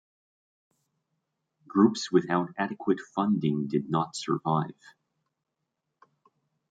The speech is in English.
Groups without adequate funding did not survive.